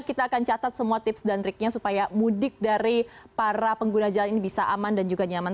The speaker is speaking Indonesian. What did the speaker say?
kita akan catat semua tips dan triknya supaya mudik dari para pengguna jalan ini bisa aman dan juga nyaman